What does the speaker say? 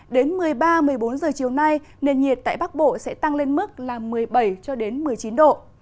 đến một mươi ba một mươi bốn giờ chiều nay nền nhiệt tại bắc bộ sẽ tăng lên mức là một mươi bảy cho đến một mươi chín độ